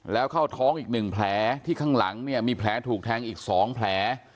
แล้วเข้าท้องอีก๑แผลที่ข้างหลังเนี่ยมีแผลถูกแทงอีก๒แผล